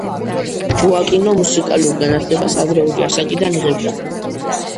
ჯოაკინო მუსიკალურ განათლებას ადრეული ასაკიდან იღებდა.